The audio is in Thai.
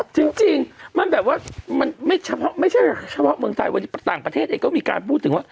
จริงมันแบบว่าไม่เฉพาะเมืองไทยแต่ต่างประเทศก็มีการพูดถึงว่า